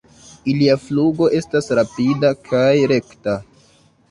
Ilia flugo estas rapida kaj rekta.